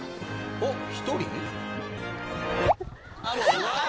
おっ１人？